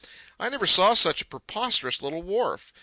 I never saw such a preposterous little wharf.